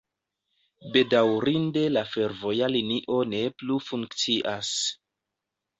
Bedaŭrinde la fervoja linio ne plu funkcias.